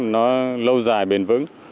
nó lâu dài bền vững